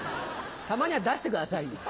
たまには出してくださいよ。